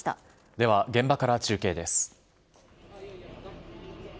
では、現場から中継です。